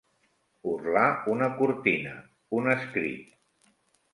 Orlar una cortina, un escrit.